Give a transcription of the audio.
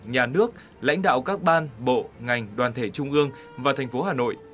nhà nước lãnh đạo các ban bộ ngành đoàn thể trung ương và thành phố hà nội